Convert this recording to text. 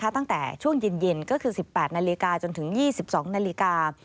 ตั้งแต่ช่วงเย็นก็คือ๑๘นาฬิกาจนถึง๒๒นาฬิกา